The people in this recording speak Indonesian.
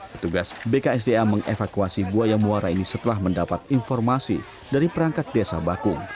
petugas bksda mengevakuasi buaya muara ini setelah mendapat informasi dari perangkat desa bakung